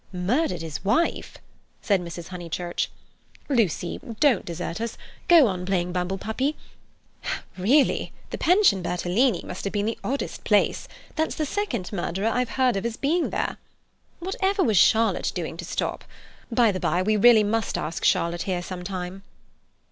"Murdered his wife?" said Mrs. Honeychurch. "Lucy, don't desert us—go on playing bumble puppy. Really, the Pension Bertolini must have been the oddest place. That's the second murderer I've heard of as being there. Whatever was Charlotte doing to stop? By the by, we really must ask Charlotte here some time."